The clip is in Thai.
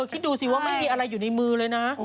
คิดดูสิว่าไม่มีอะไรอยู่ในมือเลยนะ